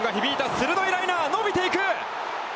鋭いライナー伸びていく！